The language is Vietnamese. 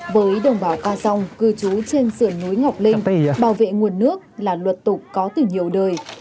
với đồng bào ca song cư trú trên sườn núi ngọc linh bảo vệ nguồn nước là luật tục có từ nhiều đời